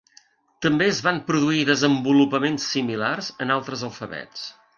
També es van produir desenvolupaments similars en altres alfabets.